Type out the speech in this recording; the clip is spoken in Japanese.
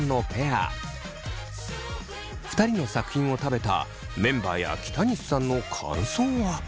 ２人の作品を食べたメンバーや北西さんの感想は。